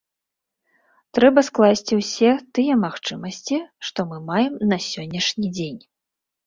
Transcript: Трэба скласці ўсе тыя магчымасці, што мы маем на сённяшні дзень.